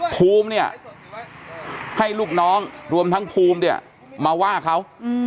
ภูมิเนี่ยให้ลูกน้องรวมทั้งภูมิเนี่ยมาว่าเขา